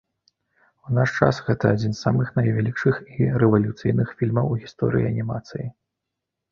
У наш час гэта адзін з самых найвялікшых і рэвалюцыйных фільмаў у гісторыі анімацыі.